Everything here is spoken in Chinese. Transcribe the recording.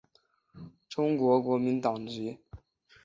中国国民党籍。